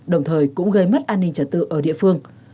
đồng thời cũng gây mất an ninh trật tự ở địa phương